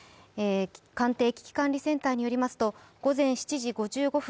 官邸危機管理センターによりますと午前７時５５分